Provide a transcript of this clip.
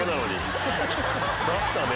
出したね。